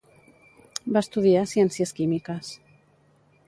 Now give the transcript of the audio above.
Va estudiar ciències químiques.